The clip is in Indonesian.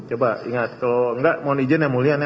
coba ingat kalau enggak mohon izin ya mulia